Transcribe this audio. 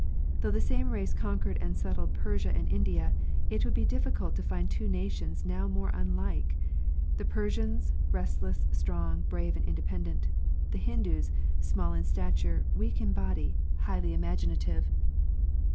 Though the same race conquered and settled Persia and India, it would be difficult to find two nations now more unlike: the Persians restless, strong, brave and independent; the Hindus small in stature, weak in body, highly imaginative, with little a